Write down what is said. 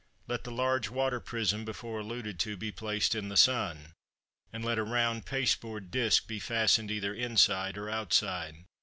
Let the large water prism before alluded to be placed in the sun, and let a round pasteboard disk be fastened either inside or outside.